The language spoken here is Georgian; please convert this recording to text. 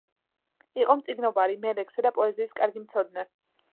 იყო მწიგნობარი, მელექსე და პოეზიის კარგი მცოდნე.